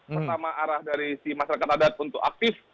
pertama arah dari si masyarakat adat untuk aktif